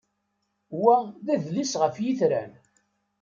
Wa d adlis ɣef yitran.